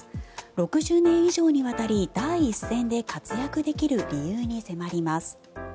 ６０年以上にわたり第一線で活躍できる理由に迫ります。